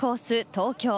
東京。